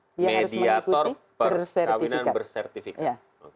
mediator perkahwinan bersertifikat